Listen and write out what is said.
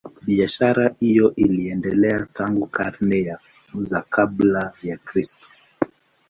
Biashara hiyo iliendelea tangu karne za kabla ya Kristo.